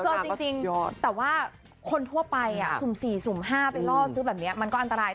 คือเอาจริงแต่ว่าคนทั่วไปสุ่ม๔สุ่ม๕ไปล่อซื้อแบบนี้มันก็อันตราย